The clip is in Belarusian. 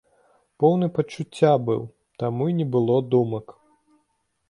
Поўны пачуцця быў, таму і не было думак.